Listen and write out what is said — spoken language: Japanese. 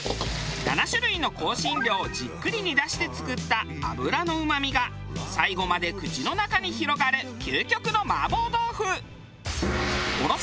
７種類の香辛料をじっくり煮出して作った油のうまみが最後まで口の中に広がる究極の麻婆豆腐。